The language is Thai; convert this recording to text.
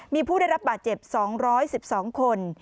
มีผู้ได้รับบาดเจ็บ๒๑๒คน